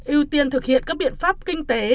ưu tiên thực hiện các biện pháp kinh tế